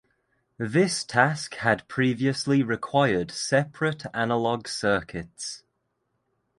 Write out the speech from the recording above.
This task had previously required separate analog circuits.